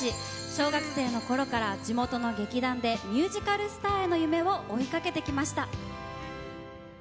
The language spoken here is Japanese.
小学生のころから地元の劇団でミュージカルスターへの夢を追いかけてきました。